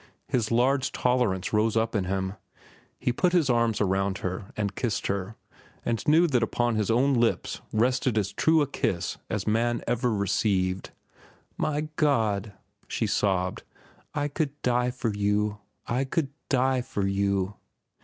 His large tolerance rose up in him. He put his arms around her, and kissed her, and knew that upon his own lips rested as true a kiss as man ever received. "My God!" she sobbed. "I could die for you. I could die for you."